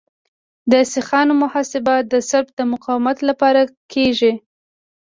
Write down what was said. د سیخانو محاسبه د سلب د مقاومت لپاره کیږي